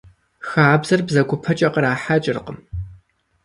Хабзэр бзэгупэкӀэ кърахьэкӀыркъым.